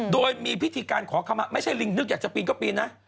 โดยมีพิธีการขอคำมาไม่ใช่ลิงนึกอยากจะปีนก็ปีนนะ